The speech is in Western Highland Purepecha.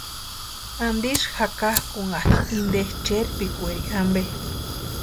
¿Antisï jakakakʼunhakʼi inte cherpikwaeri ampe?